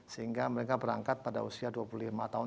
sehingga mereka berangkat pada usia dua puluh lima tahun